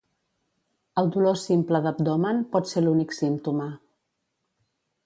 El dolor simple d'abdomen pot ser l'únic símptoma.